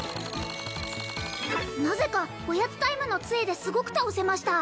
なぜかおやつタイムの杖ですごく倒せました